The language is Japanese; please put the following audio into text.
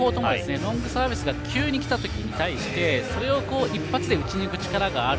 ロングサービスが急にきた時に対して一発で打ち抜く力がある。